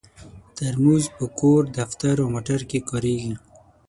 ترموز په کور، دفتر او موټر کې کارېږي.